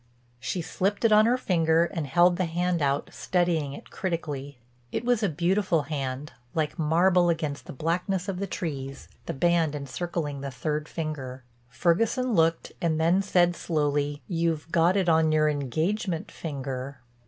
she slipped it on her finger and held the hand out studying it critically. It was a beautiful hand, like marble against the blackness of the trees, the band encircling the third finger. Ferguson looked and then said slowly: "You've got it on your engagement finger."